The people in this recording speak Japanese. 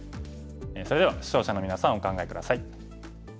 それでは視聴者のみなさんお考え下さい。